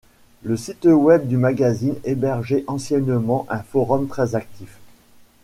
Le site web du magazine hébergeait anciennement un forum très actifs.